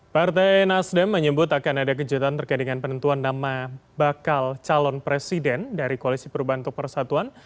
partai nasdem menyebut akan ada kejutan terkait dengan penentuan nama bakal calon presiden dari koalisi perubahan untuk persatuan